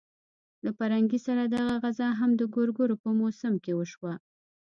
له پرنګي سره دغه غزا هم د ګورګورو په موسم کې وشوه.